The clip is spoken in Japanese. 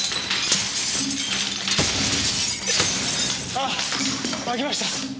あっ開きました。